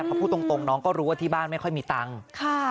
เพราะพูดตรงน้องก็รู้ว่าที่บ้านไม่ค่อยมีตังค์